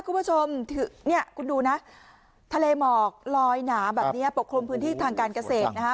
คุณผู้ชมเนี่ยคุณดูนะทะเลหมอกลอยหนาแบบนี้ปกคลุมพื้นที่ทางการเกษตรนะฮะ